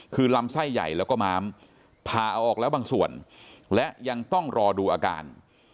คือลำไส้ใหญ่แล้วก็ม้ามผ่าเอาออกแล้วบางส่วนและยังต้องรอดูอาการ